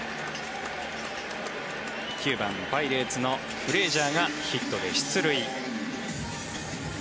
９番、パイレーツのフレージャーがヒットで出塁。